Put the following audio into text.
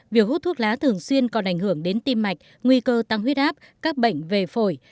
việc hút thuốc lá thường xuyên còn ảnh hưởng đến tim mạch nguy cơ tăng huyết áp các bệnh về phổi